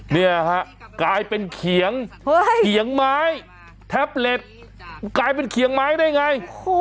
เนี่ยมันกลายเป็นเขียงไม้แท็บเบรอทกลายเป็นเขียงไม้ได้ไง